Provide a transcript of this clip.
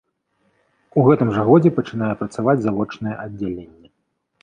У гэтым жа годзе пачынае працаваць завочнае аддзяленне.